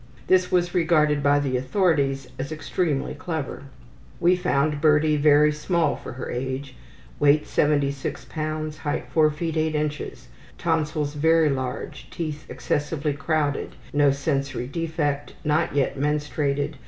This was regarded by the authorities as extremely clever. We found Birdie very small for her age. Weight 76 lbs.; height 4 ft. 8 in. Tonsils very large. Teeth excessively crowded. No sensory defect. Not yet menstruated.